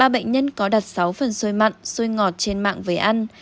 ba bệnh nhân có đặt sáu phần xôi mặn xôi ngọt trên mạng với ăn